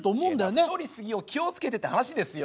いや太り過ぎを気を付けてって話ですよ。